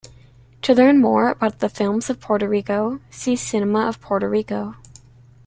To learn more about the films of Puerto Rico, see Cinema of Puerto Rico.